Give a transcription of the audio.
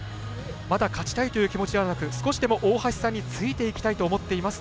また勝ちたいという気持ちではなく少しでも大橋さんについていきたいと思っています。